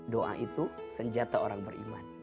doa itu senjata orang beriman